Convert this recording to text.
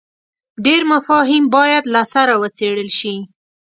ډېر مفاهیم باید له سره وڅېړل شي.